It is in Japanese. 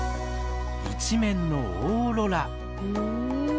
一面のオーロラ。